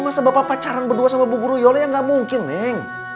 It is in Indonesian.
masa bapak pacaran berdua sama bu guru yoli ya nggak mungkin neng